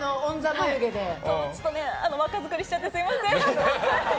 若作りしちゃって、すみません。